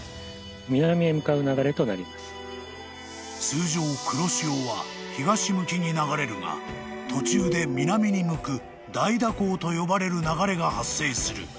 ［通常黒潮は東向きに流れるが途中で南に向く大蛇行と呼ばれる流れが発生する］